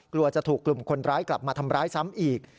กลัวจะถูกกลุ่มคนร้ายกลับมาทำร้ายซ้ำอีก